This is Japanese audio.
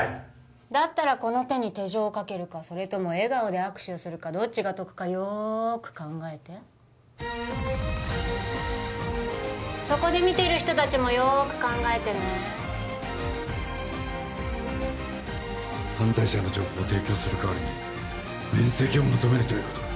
だったらこの手に手錠をかけるかそれとも笑顔で握手をするかどっちが得かよく考えてそこで見ている人たちもよく考えてね犯罪者の情報を提供する代わりに免責を求めるということか？